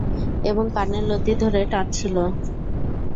এবং কানের লতি ধরে টানছিলো।